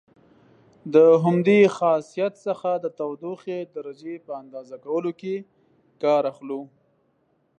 د همدې خاصیت څخه د تودوخې درجې په اندازه کولو کې کار اخلو.